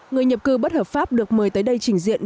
người nhập cư bất hợp pháp được mời tới đây trình diện